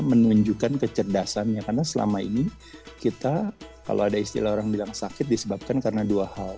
menunjukkan kecerdasannya karena selama ini kita kalau ada istilah orang bilang sakit disebabkan karena dua hal